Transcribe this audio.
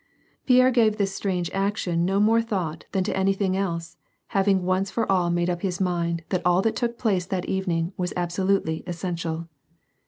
Pierre gave this strange action no more thought than to anything else, having once for all made up his mind that all that took place that evening was absolutely essential.